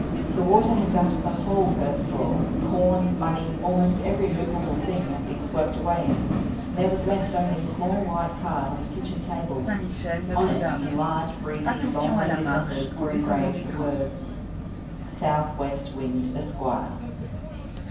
The water had gutted the whole first floor: corn, money, almost every movable thing had been swept away, and there was left only a small white card on the kitchen table. On it, in large, breezy, long legged letters, were engraved the words: SOUTH WEST WIND, ESQUIRE.